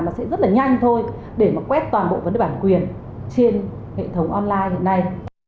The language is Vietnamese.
để mà quét toàn bộ vấn đề bản quyền trên hệ thống online hiện nay